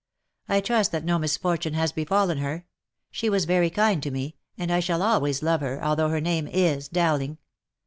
I trust that no misfortune has befallen her? she was very kind to me, and I shall always love her, although her name is Dowling."